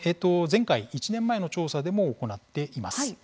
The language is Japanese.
前回１年前の調査でも行っています。